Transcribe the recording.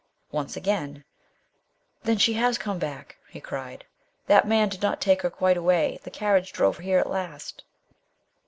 Once again, " Then she has come back," he cried, " that man did not take her quite away ; the carriage drove here at last."